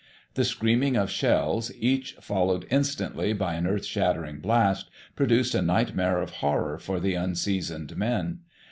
The screaming of shells, each followed instantly by an earth shaking blast, produced a nightmare of horror for the unseasoned men.